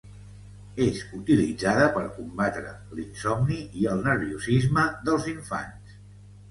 És utilitzada per combatre l'insomni i el nerviosisme dels infants.